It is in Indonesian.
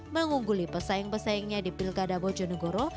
mengungguli pesaing pesaingnya di pilkada bojonegoro